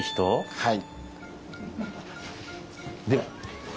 はい。